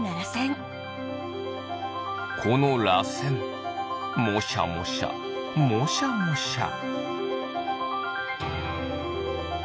このらせんモシャモシャモシャモシャ。